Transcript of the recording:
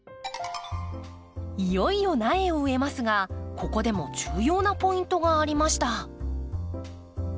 いよいよ苗を植えますがここでも重要なポイントがありました。